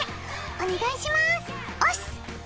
お願いしますおす！